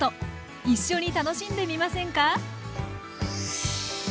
一緒に楽しんでみませんか？